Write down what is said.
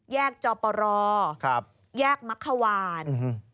แยกจอปรแยกมะขวาน